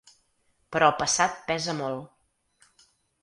Però el passat pesa molt.